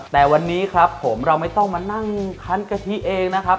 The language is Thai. แต่วันนี้ครับผมเราไม่ต้องมานั่งคันกะทิเองนะครับ